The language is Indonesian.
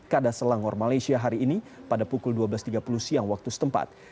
kada selangor malaysia hari ini pada pukul dua belas tiga puluh siang waktu setempat